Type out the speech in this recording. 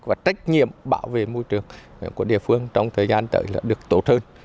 và trách nhiệm bảo vệ môi trường của địa phương trong thời gian tới là được tốt hơn